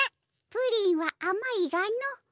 プリンはあまいがの。